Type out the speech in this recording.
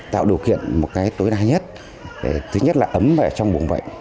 tạo điều kiện một cái tối đa nhất thứ nhất là ấm ở trong bụng bệnh